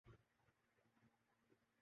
صرف ایک چیز کا فرق ہے، شخصیت کا۔